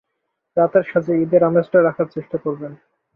রাতের সাজে ঈদের আমেজটা রাখার চেষ্টা করবেন।